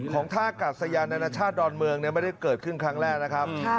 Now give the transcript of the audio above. ท่ากาศยานานาชาติดอนเมืองไม่ได้เกิดขึ้นครั้งแรกนะครับ